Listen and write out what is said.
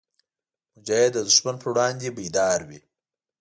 مجاهد د دښمن پر وړاندې بیدار وي.